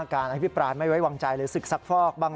การให้พี่ปรานไม่ไว้วางใจเลยศึกษักฟอกบ้าง